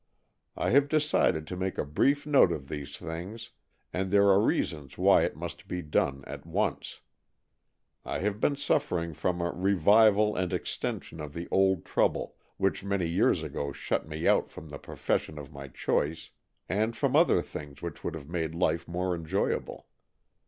I have decided to make a brief note of these things, and there are reasons why it must be done at once. I have been suffering from a revival and extension of the old trouble, which many years ago shut me out from the profession of my choice, and from other things which would have made life more enjoyable.